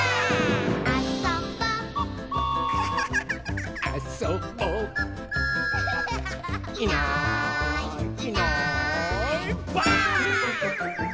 「あそぼ」「あそぼ」「いないいないばあっ！」